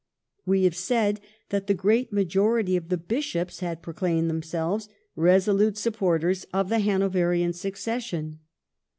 We have said that the great majority of the Bishops had proclaimed themselves resolute sup porters of the Hanoverian succession.